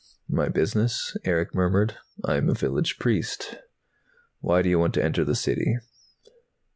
"My business?" Erick murmured. "I am a village priest." "Why do you want to enter the City?"